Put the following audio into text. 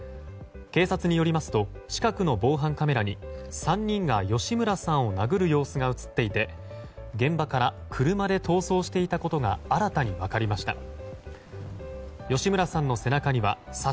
警察によりますと近くの防犯カメラに３人が吉村さんを殴る様子が映っていて現場から車で逃走していたことが新たに分かりました。